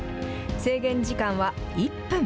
制限時間は１分。